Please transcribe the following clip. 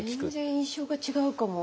全然印象が違うかも。